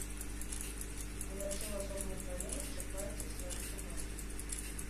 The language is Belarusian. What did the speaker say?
Уначы ў асобных раёнах чакаецца слабы туман.